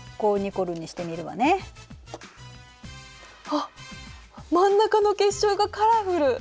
あっ真ん中の結晶がカラフル！